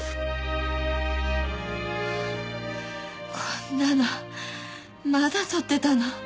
こんなのまだ取ってたの？